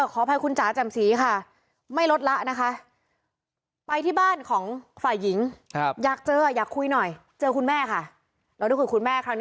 ก็คือใช่เพราะแต่มันเร็วเกิน